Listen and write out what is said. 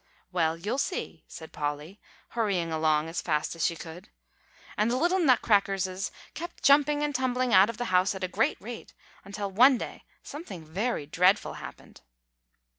"Well, you'll see," said Polly, hurrying along as fast as she could. "And the little Nutcrackerses kept jumping and tumbling out of the house at a great rate, until one day something very dreadful happened."